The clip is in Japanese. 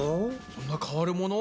そんな変わるもの？